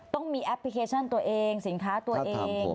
ต้องมีแอปพลิเคชันตัวเองสินค้าตัวเอง